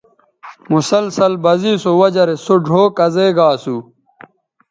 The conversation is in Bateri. مسلسل بزے سو وجہ رے سو ڙھؤ کزے گا اسو